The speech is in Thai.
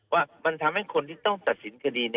ว่ามันทำให้คนที่ต้องตัดสินคดี